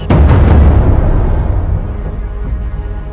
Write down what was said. adalah sunan kudus